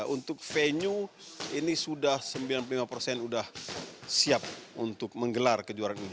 untuk venue ini sudah sembilan puluh lima persen sudah siap untuk menggelar kejuaraan ini